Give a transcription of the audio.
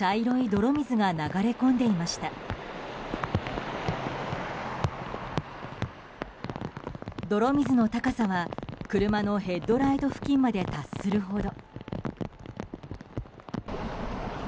泥水の高さは車のヘッドライトの付近まで達するほど。